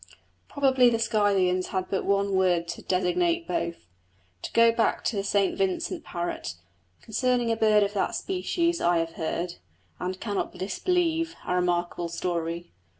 Probably the Scythians had but one word to designate both. To go back to the St Vincent parrot. Concerning a bird of that species I have heard, and cannot disbelieve, a remarkable story.